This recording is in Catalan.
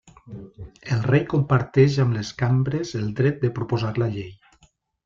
El rei comparteix amb les cambres el dret de proposar la llei.